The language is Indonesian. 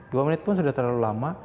dua menit pun sudah terlalu lama